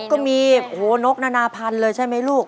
ก็มีนกนานาพันธุ์เลยใช่ไหมลูก